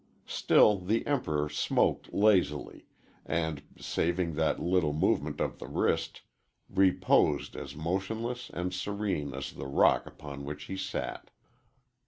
Still the Emperor smoked lazily, and, saving that little movement of the wrist, reposed as motionless and serene as the rock upon which he sat.